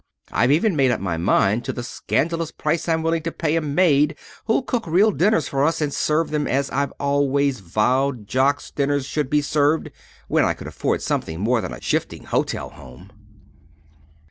I've even made up my mind to the scandalous price I'm willing to pay a maid who'll cook real dinners for us and serve them as I've always vowed Jock's dinners should be served when I could afford something more than a shifting hotel home."